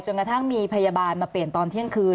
กระทั่งมีพยาบาลมาเปลี่ยนตอนเที่ยงคืน